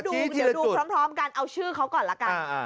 เดี๋ยวดูพร้อมกันเอาชื่อเขาก่อนละกัน